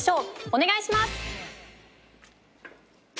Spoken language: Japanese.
お願いします。